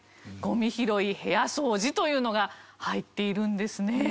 「ゴミ拾い」「部屋そうじ」というのが入っているんですね。